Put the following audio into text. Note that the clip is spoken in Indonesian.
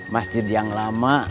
masjid yang lama